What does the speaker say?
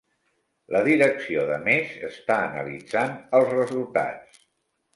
La direcció de Més està analitzant els resultats